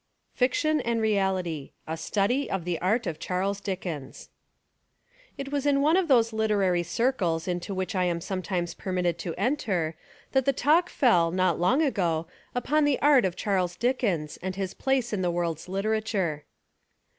— Fiction and Reality A Study of the Art of Charles Dickens IT was in one of those literary circles into which I am sometimes permitted to en ter, that the talk fell not long ago upon the art of Charles Dickens and his place in the world's literature.